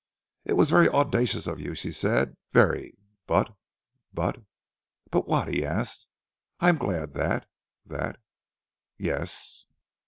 "It was very audacious of you," she said. "Very! But but " "But what?" he asked. "I am glad that that " "Yes?"